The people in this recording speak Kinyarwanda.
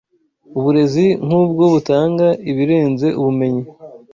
Uburezi nk’ubwo butanga ibirenze ubumenyi